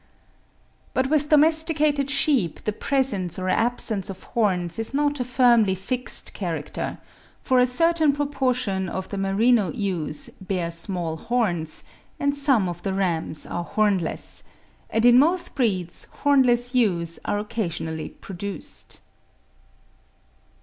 But with domesticated sheep the presence or absence of horns is not a firmly fixed character; for a certain proportion of the merino ewes bear small horns, and some of the rams are hornless; and in most breeds hornless ewes are occasionally produced.